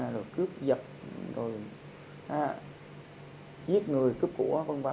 rồi cướp giật rồi giết người cướp của v v